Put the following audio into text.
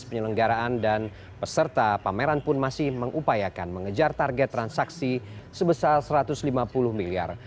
penyelenggaraan dan peserta pameran pun masih mengupayakan mengejar target transaksi sebesar satu ratus lima puluh miliar